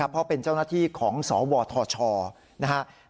เพราะเป็นเจ้าหน้าที่ของสวทชนะครับ